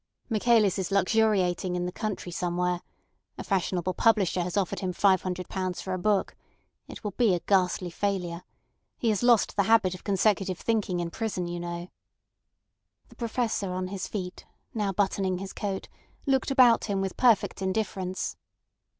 Michaelis's luxuriating in the country somewhere. A fashionable publisher has offered him five hundred pounds for a book. It will be a ghastly failure. He has lost the habit of consecutive thinking in prison, you know." The Professor on his feet, now buttoning his coat, looked about him with perfect indifference.